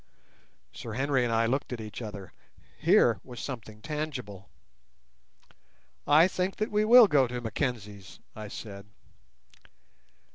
Sir Henry and I looked at each other. Here was something tangible. "I think that we will go to Mr Mackenzie's," I said.